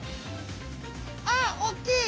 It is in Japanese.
あっおっきい！